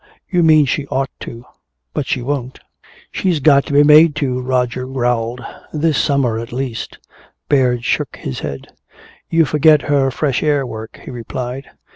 "You mean she ought to. But she won't." "She's got to be made to," Roger growled. "This summer at least." Baird shook his head. "You forget her fresh air work," he replied.